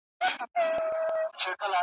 هره شېبه درس د قربانۍ لري ,